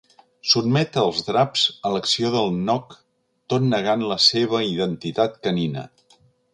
Sotmet els draps a l'acció del noc tot negant la seva identitat canina.